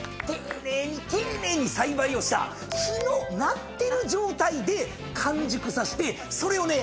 丁寧に丁寧に栽培をした木になってる状態で完熟させてそれをね